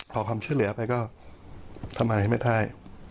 ขอความช่วยเหลือไปก็ทำอะไรไม่ได้